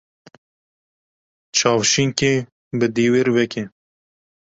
Çavşînkê bi dîwêr veke.